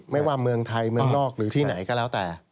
ไม่ว่าเมืองไทยเมืองนอกหรือที่ไหนก็แล้วแต่